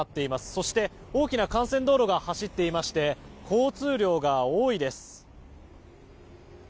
そして、大きな幹線道路が走っていまして交通量が多いです。